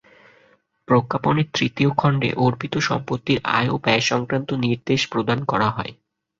প্রজ্ঞাপনের তৃতীয় খন্ডে অর্পিত সম্পত্তির আয় ও ব্যয়সংক্রান্ত নির্দেশ প্রদান করা হয়।